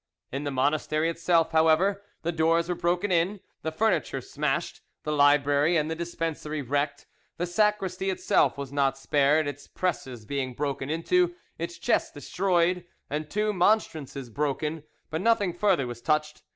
In the monastery itself, however, the doors were broken in, the furniture smashed, the library and the dispensary wrecked. The sacristy itself was not spared, its presses being broken into, its chests destroyed, and two monstrances broken; but nothing further was touched.